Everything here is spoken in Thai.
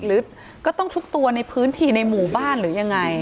หรือก็ต้องทุกตัวในพื้นที่ในหมู่บ้านหรือยังไง